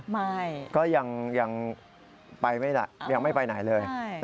ไม่ก็ยังไปไหนเลย